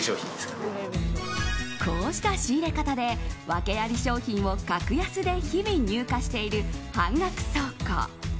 こうした仕入れ方でワケあり商品を格安で日々入荷している半額倉庫。